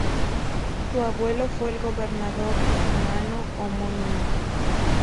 Su abuelo fue el gobernador tucumano homónimo.